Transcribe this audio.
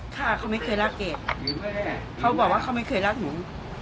ฆ่าเขาไม่เคยรักเกรดเขาบอกว่าเขาไม่เคยรักหนู